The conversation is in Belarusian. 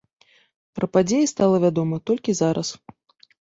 Пра падзеі стала вядома толькі зараз.